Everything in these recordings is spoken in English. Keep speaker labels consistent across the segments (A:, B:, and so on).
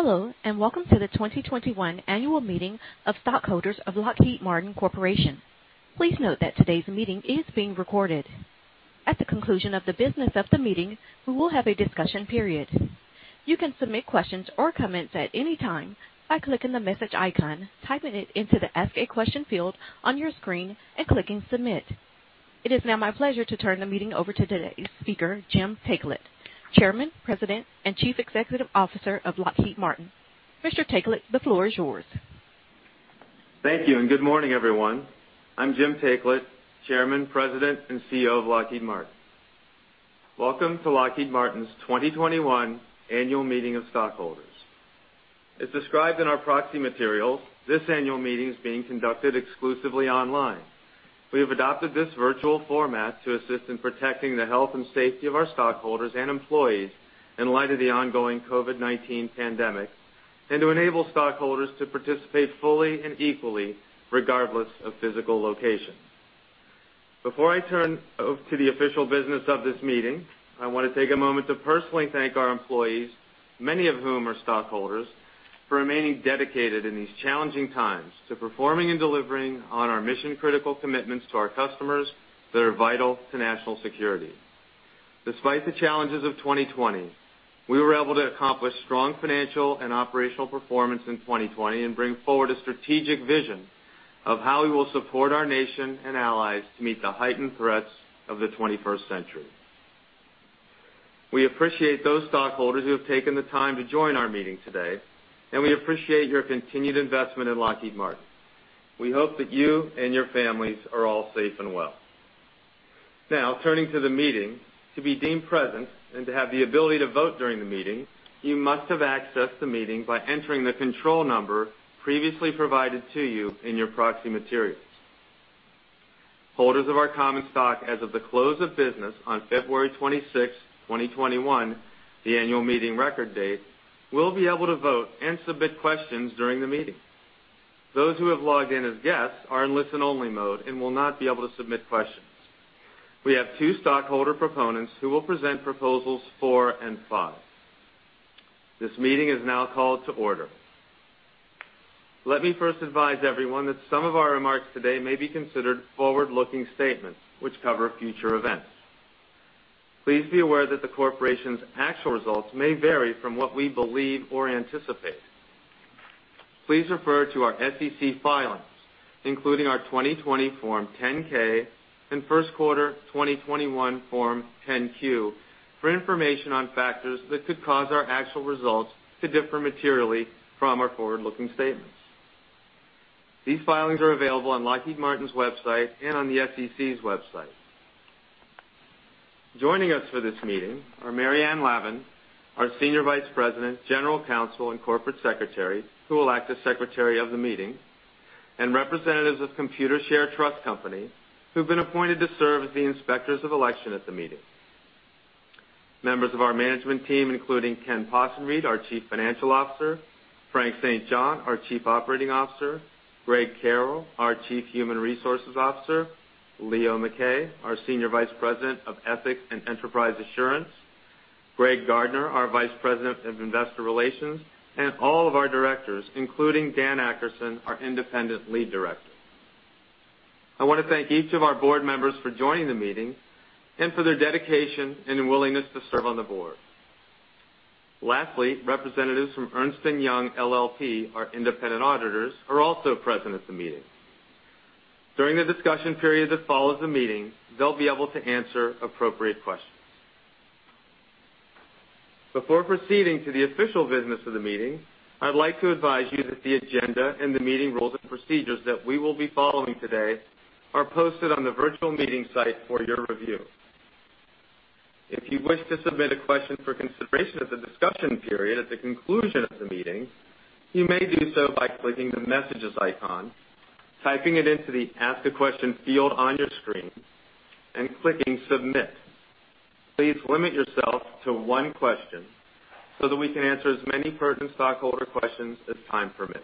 A: Hello, welcome to the 2021 Annual Meeting of Stockholders of Lockheed Martin Corporation. Please note that today's meeting is being recorded. At the conclusion of the business of the meeting, we will have a discussion period. You can submit questions or comments at any time by clicking the message icon, typing it into the Ask a Question field on your screen, and clicking Submit. It is now my pleasure to turn the meeting over to today's speaker, Jim Taiclet, Chairman, President, and Chief Executive Officer of Lockheed Martin. Mr. Taiclet, the floor is yours.
B: Thank you, and good morning, everyone. I'm Jim Taiclet, Chairman, President, and CEO of Lockheed Martin. Welcome to Lockheed Martin's 2021 Annual Meeting of Stockholders. As described in our proxy materials, this annual meeting is being conducted exclusively online. We have adopted this virtual format to assist in protecting the health and safety of our stockholders and employees in light of the ongoing COVID-19 pandemic and to enable stockholders to participate fully and equally, regardless of physical location. Before I turn to the official business of this meeting, I want to take a moment to personally thank our employees, many of whom are stockholders, for remaining dedicated in these challenging times to performing and delivering on our mission-critical commitments to our customers that are vital to national security. Despite the challenges of 2020, we were able to accomplish strong financial and operational performance in 2020 and bring forward a strategic vision of how we will support our nation and allies to meet the heightened threats of the 21st century. We appreciate those stockholders who have taken the time to join our meeting today, and we appreciate your continued investment in Lockheed Martin. We hope that you and your families are all safe and well. Now, turning to the meeting. To be deemed present and to have the ability to vote during the meeting, you must have accessed the meeting by entering the control number previously provided to you in your proxy materials. Holders of our common stock as of the close of business on February 26, 2021, the annual meeting record date, will be able to vote and submit questions during the meeting. Those who have logged in as guests are in listen-only mode and will not be able to submit questions. We have two stockholder proponents who will present proposals four and five. This meeting is now called to order. Let me first advise everyone that some of our remarks today may be considered forward-looking statements which cover future events. Please be aware that the corporation's actual results may vary from what we believe or anticipate. Please refer to our SEC filings, including our 2020 Form 10-K and first quarter 2021 Form 10-Q, for information on factors that could cause our actual results to differ materially from our forward-looking statements. These filings are available on Lockheed Martin's website and on the SEC's website. Joining us for this meeting are Maryanne Lavan, our Senior Vice President, General Counsel, and Corporate Secretary, who will act as Secretary of the meeting, and representatives of Computershare Trust Company, who've been appointed to serve as the Inspectors of Election at the meeting. Members of our management team, including Kenneth Possenriede, our Chief Financial Officer, Frank St. John, our Chief Operating Officer, Greg Karol, our Chief Human Resources Officer, Leo Mackay, our Senior Vice President of Ethics and Enterprise Assurance, Greg Gardner, our Vice President of Investor Relations, and all of our directors, including Dan Akerson, our Independent Lead Director. I want to thank each of our board members for joining the meeting and for their dedication and willingness to serve on the board. Lastly, representatives from Ernst & Young LLP, our independent auditors, are also present at the meeting. During the discussion period that follows the meeting, they'll be able to answer appropriate questions. Before proceeding to the official business of the meeting, I'd like to advise you that the agenda and the meeting rules and procedures that we will be following today are posted on the virtual meeting site for your review. If you wish to submit a question for consideration at the discussion period at the conclusion of the meeting, you may do so by clicking the messages icon, typing it into the Ask a Question field on your screen, and clicking Submit. Please limit yourself to one question so that we can answer as many pertinent stockholder questions as time permits.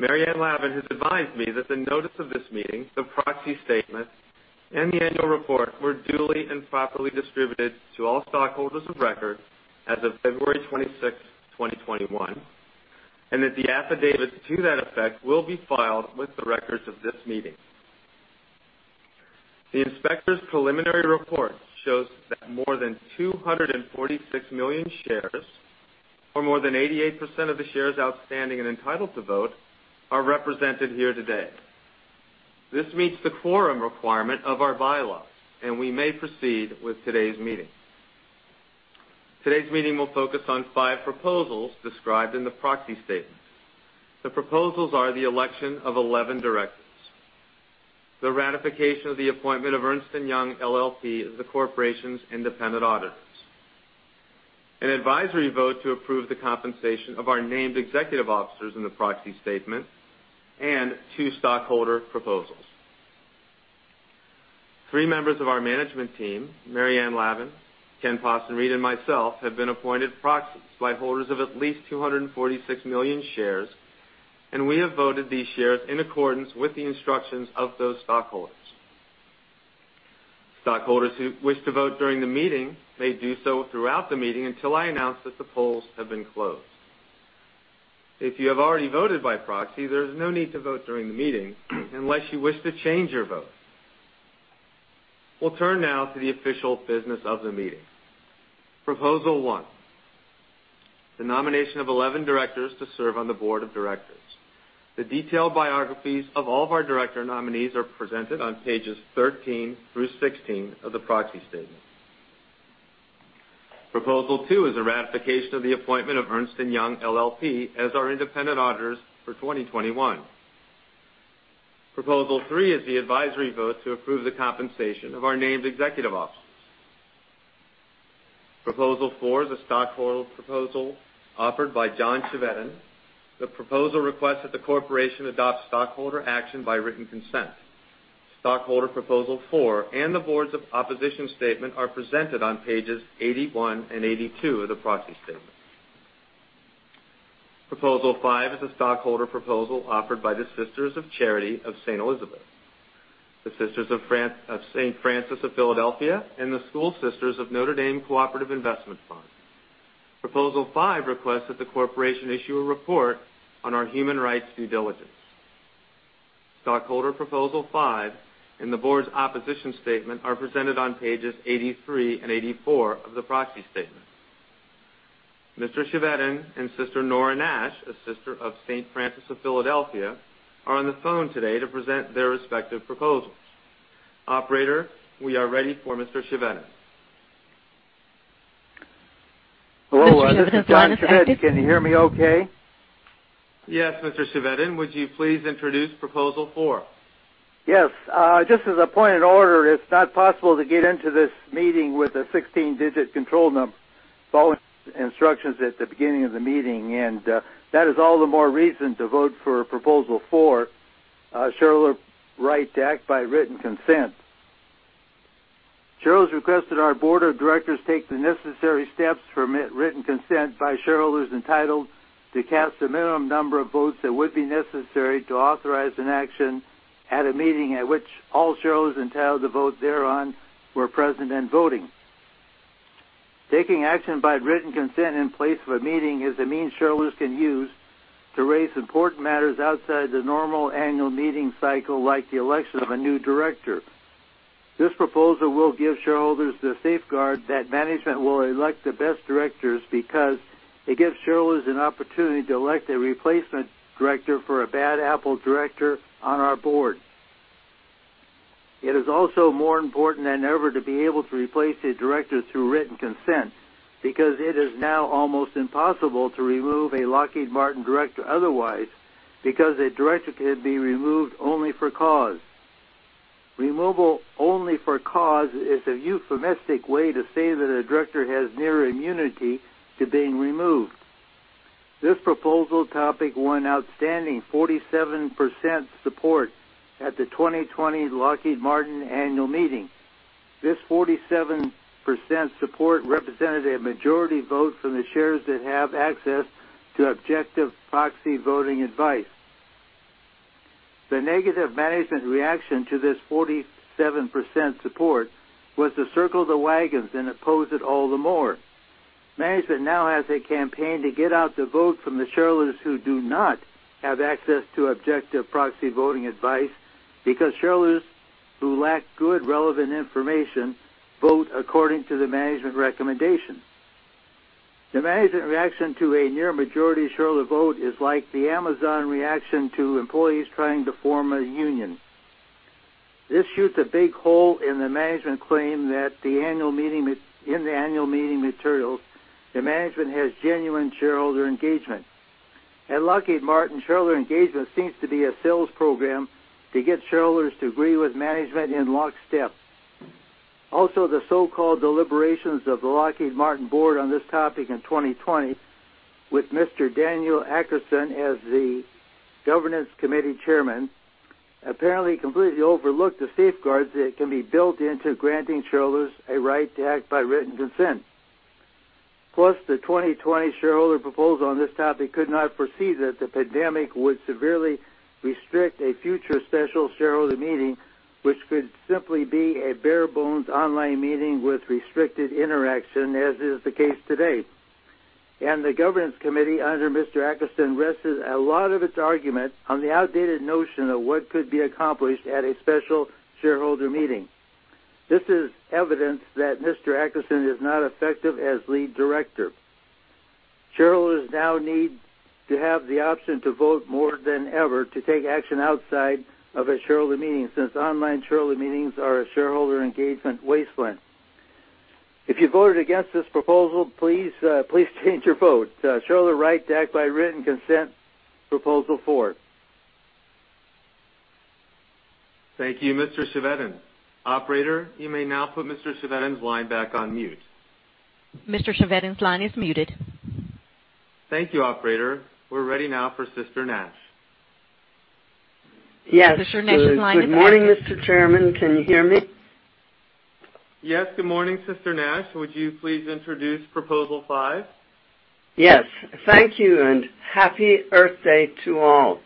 B: Maryanne Lavan has advised me that the notice of this meeting, the proxy statement, and the annual report were duly and properly distributed to all stockholders of record as of February 26, 2021, and that the affidavit to that effect will be filed with the records of this meeting. The inspector's preliminary report shows that more than 246 million shares, or more than 88% of the shares outstanding and entitled to vote, are represented here today. This meets the quorum requirement of our bylaw, and we may proceed with today's meeting. Today's meeting will focus on five proposals described in the proxy statement. The proposals are the election of 11 directors, the ratification of the appointment of Ernst & Young LLP as the corporation's independent auditors, an advisory vote to approve the compensation of our named executive officers in the proxy statement, and two stockholder proposals. Three members of our management team, Maryanne Lavan, Kenneth Possenriede, and myself, have been appointed proxies by holders of at least 246 million shares, and we have voted these shares in accordance with the instructions of those stockholders. Stockholders who wish to vote during the meeting may do so throughout the meeting until I announce that the polls have been closed. If you have already voted by proxy, there's no need to vote during the meeting unless you wish to change your vote. We'll turn now to the official business of the meeting. Proposal one, the nomination of 11 directors to serve on the board of directors. The detailed biographies of all of our director nominees are presented on pages 13 through 16 of the proxy statement. Proposal two is a ratification of the appointment of Ernst & Young LLP as our independent auditors for 2021. Proposal three is the advisory vote to approve the compensation of our named executive officers. Proposal four is a stockholder proposal offered by John Chevedden. The proposal requests that the corporation adopt stockholder action by written consent. Stockholder proposal four and the board's opposition statement are presented on pages 81 and 82 of the proxy statement. Proposal five is a stockholder proposal offered by the Sisters of Charity of Saint Elizabeth, the Sisters of St. Francis of Philadelphia and the School Sisters of Notre Dame Cooperative Investment Fund. Proposal five requests that the corporation issue a report on our human rights due diligence. Stockholder proposal five and the board's opposition statement are presented on pages 83 and 84 of the proxy statement. Mr. Chevedden and Sister Nora Nash, a Sister of St. Francis of Philadelphia, are on the phone today to present their respective proposals. Operator, we are ready for Mr. Chevedden.
A: Mr. Chevedden's line is active.
C: Hello, this is John Chevedden. Can you hear me okay?
B: Yes, Mr. Chevedden. Would you please introduce proposal four?
C: Just as a point of order, it's not possible to get into this meeting with a 16-digit control number following instructions at the beginning of the meeting. That is all the more reason to vote for proposal four, Shareholder Right to Act by Written Consent. Shareholders request that our board of directors take the necessary steps to permit written consent by shareholders entitled to cast the minimum number of votes that would be necessary to authorize an action at a meeting at which all shareholders entitled to vote thereon were present and voting. Taking action by written consent in place of a meeting is a means shareholders can use to raise important matters outside the normal annual meeting cycle, like the election of a new director. This proposal will give shareholders the safeguard that management will elect the best directors because it gives shareholders an opportunity to elect a replacement director for a bad apple director on our board. It is also more important than ever to be able to replace a director through written consent because it is now almost impossible to remove a Lockheed Martin director otherwise, because a director can be removed only for cause. Removal only for cause is a euphemistic way to say that a director has near immunity to being removed. This proposal topic won outstanding 47% support at the 2020 Lockheed Martin Annual Meeting. This 47% support represented a majority vote from the shares that have access to objective proxy voting advice. The negative management reaction to this 47% support was to circle the wagons and oppose it all the more. Management now has a campaign to get out the vote from the shareholders who do not have access to objective proxy voting advice because shareholders who lack good relevant information vote according to the management recommendation. The management reaction to a near majority shareholder vote is like the Amazon reaction to employees trying to form a union. This shoots a big hole in the management claim that in the annual meeting materials, the management has genuine shareholder engagement. At Lockheed Martin, shareholder engagement seems to be a sales program to get shareholders to agree with management in lockstep. The so-called deliberations of the Lockheed Martin board on this topic in 2020 with Mr. Daniel Akerson as the governance committee chairman, apparently completely overlooked the safeguards that can be built into granting shareholders a right to act by written consent. Plus, the 2020 shareholder proposal on this topic could not foresee that the pandemic would severely restrict a future special shareholder meeting, which could simply be a bare bones online meeting with restricted interaction, as is the case today. The governance committee under Mr. Akerson rested a lot of its argument on the outdated notion of what could be accomplished at a special shareholder meeting. This is evidence that Mr. Akerson is not effective as lead director. Shareholders now need to have the option to vote more than ever to take action outside of a shareholder meeting, since online shareholder meetings are a shareholder engagement wasteland. If you voted against this proposal, please change your vote. Shareholder right to act by written consent, proposal four.
B: Thank you, Mr. Chevedden. Operator, you may now put Mr. Chevedden's line back on mute.
A: Mr. Chevedden's line is muted.
B: Thank you, operator. We're ready now for Sister Nash.
A: Sister Nash's line is active.
D: Yes. Good morning, Mr. Chairman. Can you hear me?
B: Yes. Good morning, Sister Nash. Would you please introduce proposal five?
D: Yes. Thank you, and happy Earth Day to all.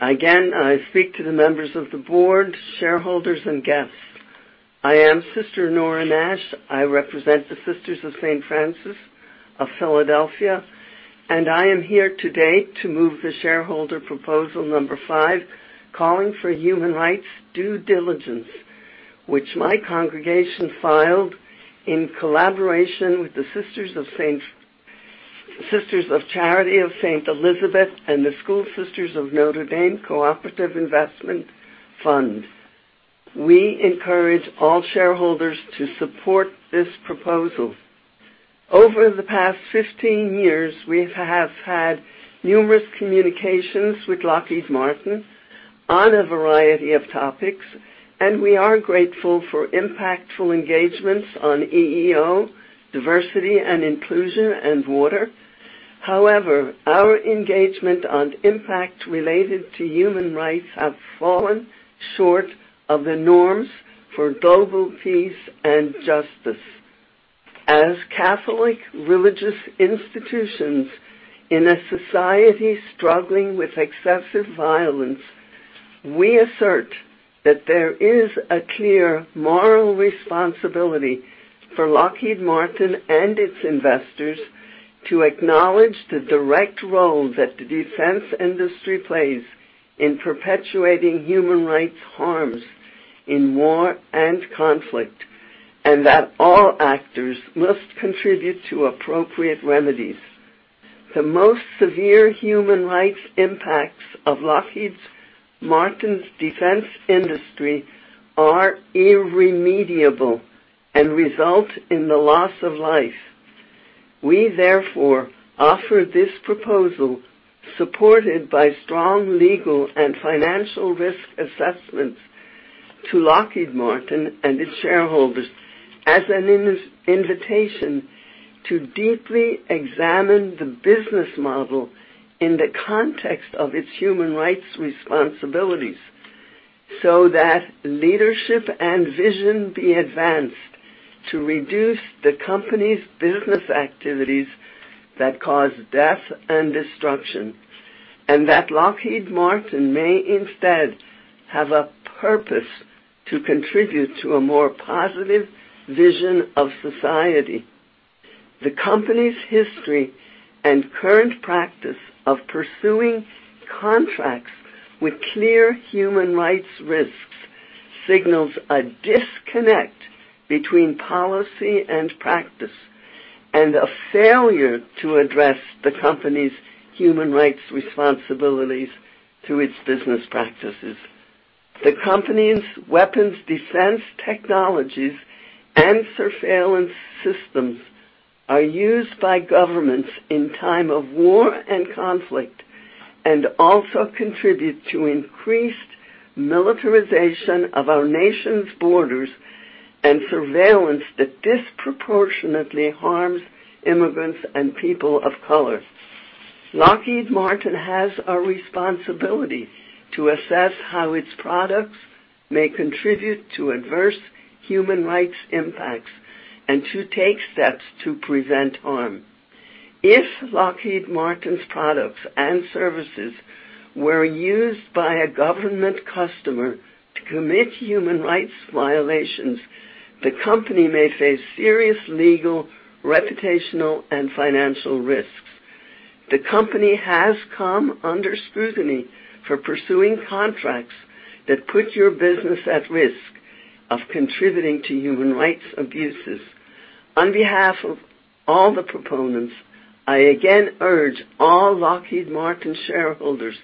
D: I speak to the members of the board, shareholders, and guests. I am Sister Nora Nash. I represent the Sisters of St. Francis of Philadelphia. I am here today to move the shareholder proposal number five, calling for human rights due diligence, which my congregation filed in collaboration with the Sisters of Charity of Saint Elizabeth and the School Sisters of Notre Dame Cooperative Investment Fund. We encourage all shareholders to support this proposal. Over the past 15 years, we have had numerous communications with Lockheed Martin on a variety of topics. We are grateful for impactful engagements on EEO, diversity and inclusion, and water. However, our engagement on impact related to human rights have fallen short of the norms for global peace and justice. As Catholic religious institutions in a society struggling with excessive violence, we assert that there is a clear moral responsibility for Lockheed Martin and its investors to acknowledge the direct role that the defense industry plays in perpetuating human rights harms in war and conflict, and that all actors must contribute to appropriate remedies. The most severe human rights impacts of Lockheed Martin's defense industry are irremediable and result in the loss of life. We therefore offer this proposal, supported by strong legal and financial risk assessments, to Lockheed Martin and its shareholders as an invitation to deeply examine the business model in the context of its human rights responsibilities so that leadership and vision be advanced to reduce the company's business activities that cause death and destruction, and that Lockheed Martin may instead have a purpose to contribute to a more positive vision of society. The company's history and current practice of pursuing contracts with clear human rights risks signals a disconnect between policy and practice and a failure to address the company's human rights responsibilities to its business practices. The company's weapons, defense technologies, and surveillance systems are used by governments in time of war and conflict and also contribute to increased militarization of our nation's borders and surveillance that disproportionately harms immigrants and people of color. Lockheed Martin has a responsibility to assess how its products may contribute to adverse human rights impacts and to take steps to prevent harm. If Lockheed Martin's products and services were used by a government customer to commit human rights violations, the company may face serious legal, reputational, and financial risks. The company has come under scrutiny for pursuing contracts that put your business at risk of contributing to human rights abuses. On behalf of all the proponents, I again urge all Lockheed Martin shareholders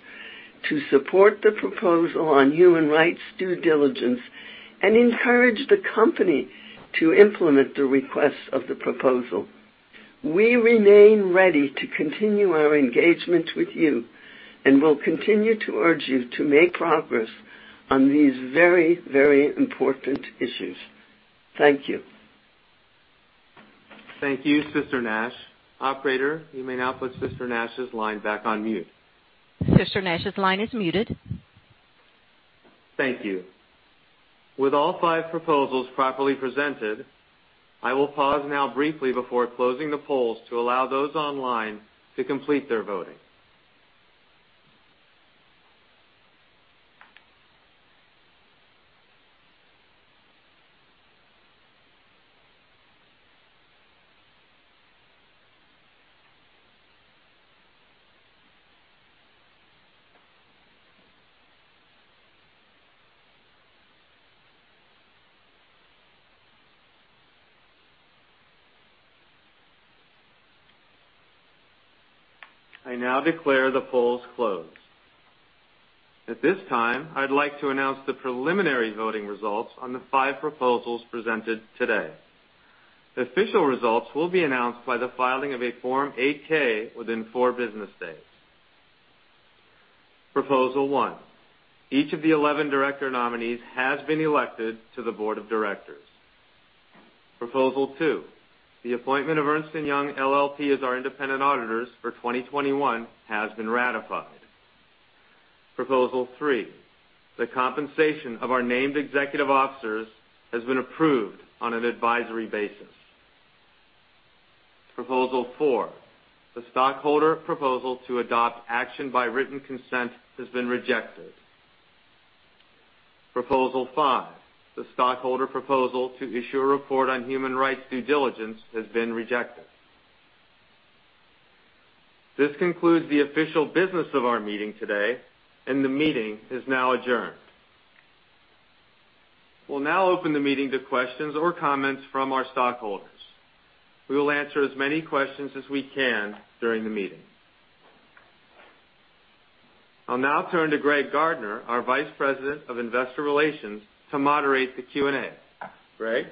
D: to support the proposal on human rights due diligence and encourage the company to implement the request of the proposal. We remain ready to continue our engagement with you, and will continue to urge you to make progress on these very, very important issues. Thank you.
B: Thank you, Sister Nash. Operator, you may now put Sister Nash's line back on mute.
A: Sister Nash's line is muted.
B: Thank you. With all five proposals properly presented, I will pause now briefly before closing the polls to allow those online to complete their voting. I now declare the polls closed. At this time, I'd like to announce the preliminary voting results on the five proposals presented today. The official results will be announced by the filing of a Form 8-K within four business days. Proposal one, each of the 11 director nominees has been elected to the board of directors. Proposal two, the appointment of Ernst & Young LLP as our independent auditors for 2021 has been ratified. Proposal three, the compensation of our named executive officers has been approved on an advisory basis. Proposal four, the stockholder proposal to adopt action by written consent has been rejected. Proposal five, the stockholder proposal to issue a report on human rights due diligence has been rejected. This concludes the official business of our meeting today, and the meeting is now adjourned. We'll now open the meeting to questions or comments from our stockholders. We will answer as many questions as we can during the meeting. I'll now turn to Greg Gardner, our Vice President of Investor Relations, to moderate the Q&A. Greg?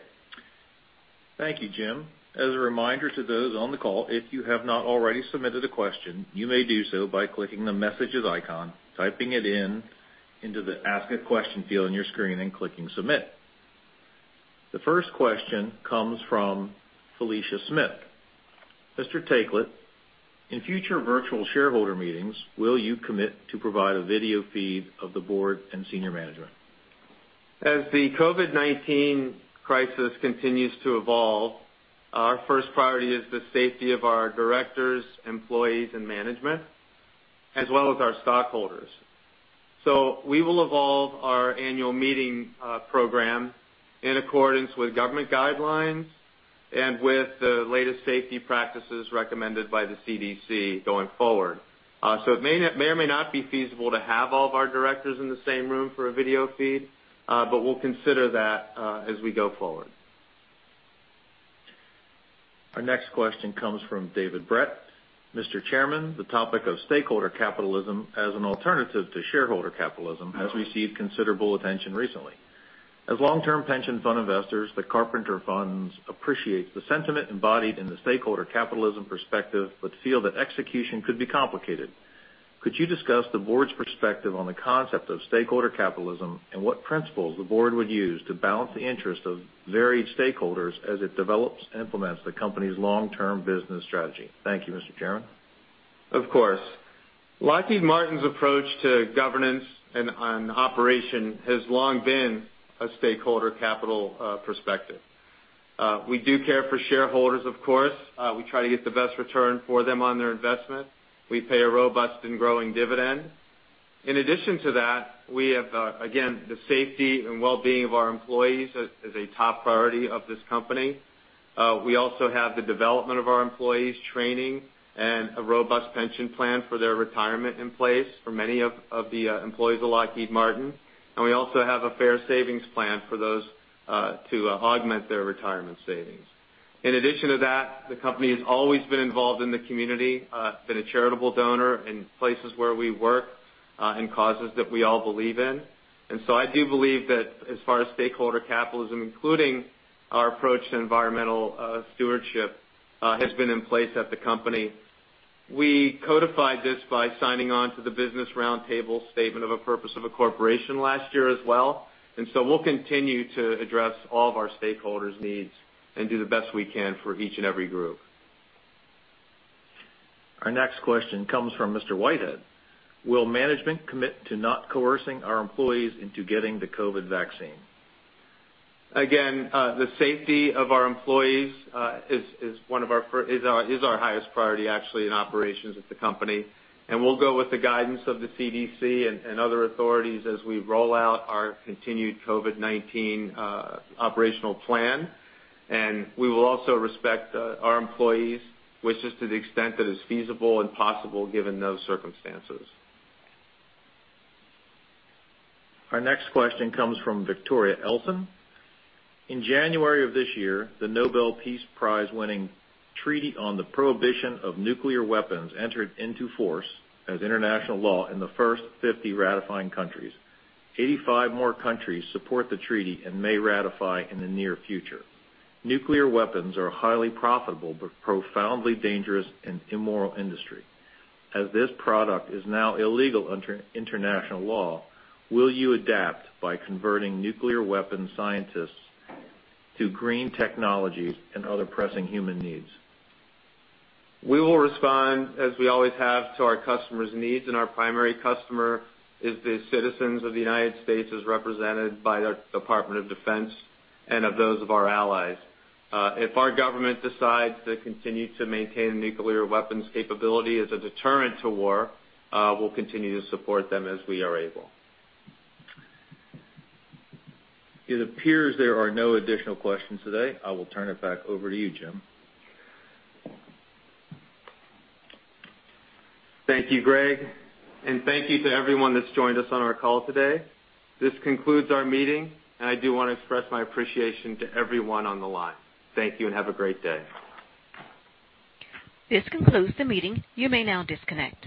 E: Thank you, Jim. As a reminder to those on the call, if you have not already submitted a question, you may do so by clicking the messages icon, typing it into the ask a question field on your screen, and clicking send. The first question comes from Felicia Smith. Mr. Taiclet, in future virtual shareholder meetings, will you commit to provide a video feed of the board and senior management?
B: As the COVID-19 crisis continues to evolve, our first priority is the safety of our directors, employees, and management, as well as our stockholders. We will evolve our annual meeting program in accordance with government guidelines and with the latest safety practices recommended by the CDC going forward. It may or may not be feasible to have all of our directors in the same room for a video feed. We'll consider that as we go forward.
E: Our next question comes from David Brett. Mr. Chairman, the topic of stakeholder capitalism as an alternative to shareholder capitalism has received considerable attention recently. As long-term pension fund investors, the Carpenter Funds appreciate the sentiment embodied in the stakeholder capitalism perspective, but feel that execution could be complicated. Could you discuss the board's perspective on the concept of stakeholder capitalism and what principles the board would use to balance the interest of varied stakeholders as it develops and implements the company's long-term business strategy? Thank you, Mr. Chairman.
B: Of course. Lockheed Martin's approach to governance and on operation has long been a stakeholder capital perspective. We do care for shareholders, of course. We try to get the best return for them on their investment. We pay a robust and growing dividend. In addition to that, we have, again, the safety and well-being of our employees as a top priority of this company. We also have the development of our employees training and a robust pension plan for their retirement in place for many of the employees of Lockheed Martin. We also have a fair savings plan for those to augment their retirement savings. In addition to that, the company has always been involved in the community, been a charitable donor in places where we work, and causes that we all believe in. I do believe that as far as stakeholder capitalism, including our approach to environmental stewardship, has been in place at the company. We codified this by signing on to the Business Roundtable Statement of a Purpose of a Corporation last year as well. We'll continue to address all of our stakeholders' needs and do the best we can for each and every group.
E: Our next question comes from Mr. Whitehead. Will management commit to not coercing our employees into getting the COVID vaccine?
B: Again, the safety of our employees is our highest priority, actually, in operations at the company. We'll go with the guidance of the CDC and other authorities as we roll out our continued COVID-19 operational plan. We will also respect our employees' wishes to the extent that it's feasible and possible given those circumstances.
E: Our next question comes from Victoria Elson. In January of this year, the Nobel Peace Prize-winning Treaty on the Prohibition of Nuclear Weapons entered into force as international law in the first 50 ratifying countries. 85 more countries support the treaty and may ratify in the near future. Nuclear weapons are a highly profitable but profoundly dangerous and immoral industry. As this product is now illegal under international law, will you adapt by converting nuclear weapon scientists to green technologies and other pressing human needs?
B: We will respond as we always have to our customers' needs, and our primary customer is the citizens of the United States, as represented by their Department of Defense and of those of our allies. If our government decides to continue to maintain nuclear weapons capability as a deterrent to war, we'll continue to support them as we are able.
E: It appears there are no additional questions today. I will turn it back over to you, Jim.
B: Thank you, Greg, and thank you to everyone that's joined us on our call today. This concludes our meeting, and I do want to express my appreciation to everyone on the line. Thank you and have a great day.
A: This concludes the meeting. You may now disconnect.